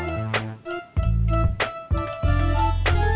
ya kan jalanan rame banyak yang lewat